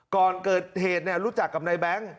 ก่อนเกิดเหตุรู้จักกับนายแบงค์